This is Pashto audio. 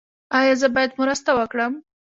ایا زه باید مرسته وکړم؟